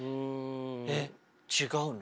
えっ違うの？